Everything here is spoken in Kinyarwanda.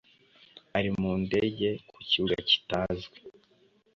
ari mu ndege ku kibuga kitazwi